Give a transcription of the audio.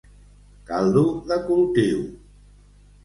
Caldo de cultiu.